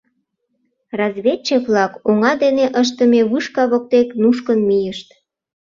Разведчик-влак оҥа дене ыштыме вышка воктек нушкын мийышт.